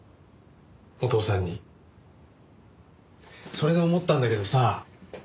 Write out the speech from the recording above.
それで思ったんだけどさ